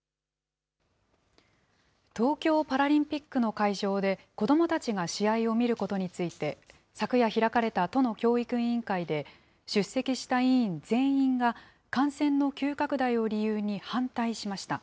東京パラリンピックの会場で子どもたちが試合を見ることについて、昨夜開かれた都の教育委員会で、出席した委員全員が、感染の急拡大を理由に反対しました。